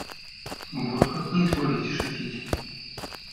Вот как вы изволите шутить.